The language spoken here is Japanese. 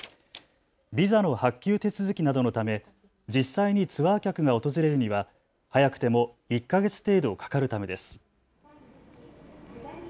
ビザの発給手続きなどのため実際にツアー客が訪れるには早くても１か月程度かかるためです。